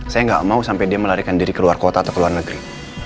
saya gak mau sampai dia melarikan diri ke luar kota atau ke luar negeri